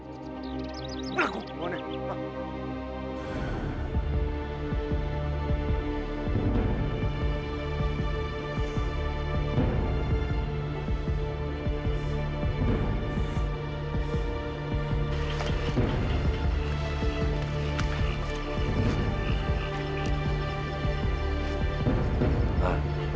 bila aku kemana